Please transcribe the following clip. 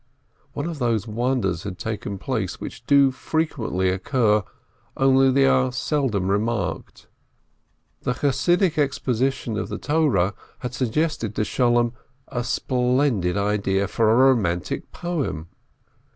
One of those wonders had taken place which do frequently occur, only they are seldom remarked: the Chassidic exposition of the Torah had suggested to Sholem a splendid idea for a romantic poem